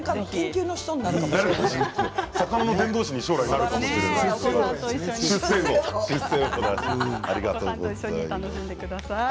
魚の伝道師になるかもしれませんね。